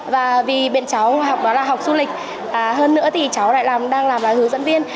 và vì bên cháu học đó là học du lịch hơn nữa thì cháu lại đang làm là hướng dẫn viên